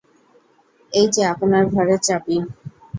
এই যে আপনার ঘরের চাবি।